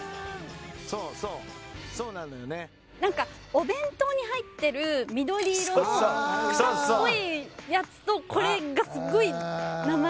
お弁当に入ってる緑色の草っぽいやつとこれがすごい。